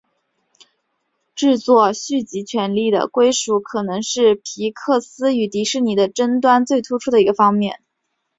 制作续集权利的归属可能是皮克斯与迪士尼的争端最突出的一个方面。